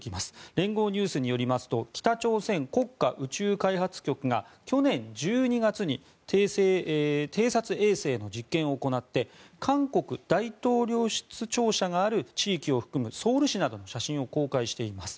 連合ニュースによりますと北朝鮮国家宇宙開発局が去年１２月に偵察衛星の実験を行って韓国大統領室庁舎がある地域を含むソウル市などの写真を公開しています。